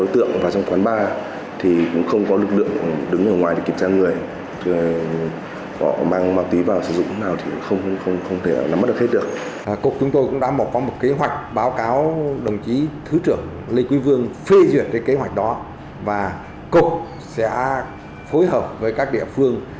thứ trưởng lê quý vương phê duyệt cái kế hoạch đó và cục sẽ phối hợp với các địa phương